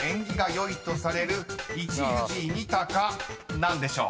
［何でしょう？